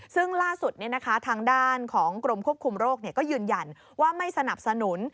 ซึ่งล่าสุดทางด้านของกรมควบคุมโรคก็ยืนยันว่าไม่สนับสนุน